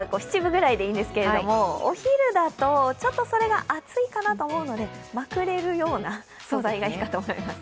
朝は七分ぐらいでいいんですけどお昼だと、ちょっとそれが暑いかなと思うのでまくれるような素材がいいかと思います。